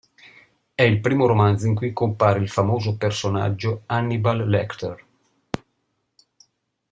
È il primo romanzo in cui compare il famoso personaggio Hannibal Lecter.